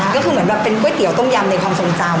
ก็คือเหมือนแบบเป็นก๋วยเตี๋ต้มยำในความทรงจำ